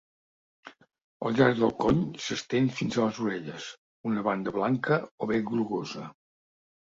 Al llarg del coll s'estén fins a les orelles, una banda blanca o bé grogosa.